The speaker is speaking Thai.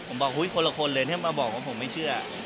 ผมบอกคนละคนเลยถ้ามาบอกว่าผมไม่เชื่อ